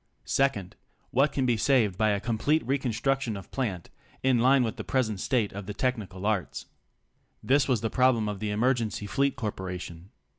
Second, what can be saved by a complete recon struction of plant in line with the present state of the tech nical arts. This was the problem of the Emergency Fleet Corporation.